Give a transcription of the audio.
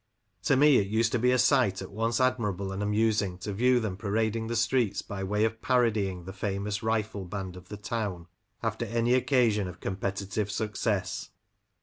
To me it used to be a sight at once admirable and amusing to view them parading the streets by way of parodying the famous rifle band of the town after any occasion of competitive success.